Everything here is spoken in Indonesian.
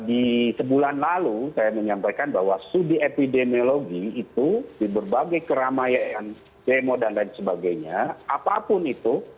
dan di sebulan lalu saya menyampaikan bahwa studi epidemiologi itu di berbagai keramaian demo dan lain sebagainya apapun itu